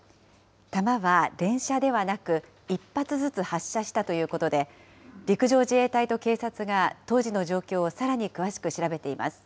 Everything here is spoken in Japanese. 弾は連射ではなく、１発ずつ発射したということで、陸上自衛隊と警察が当時の状況をさらに詳しく調べています。